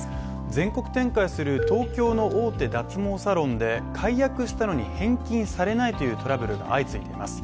全国展開する東京の大手脱毛サロンで解約したのに返金されないというトラブルが相次いでいます